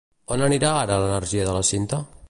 On anirà ara l'energia de la cinta?